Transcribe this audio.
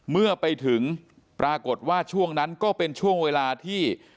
เมื่อไปถึงปรากฏว่าช่วงนั้นก็เป็นช่วงเวลาที่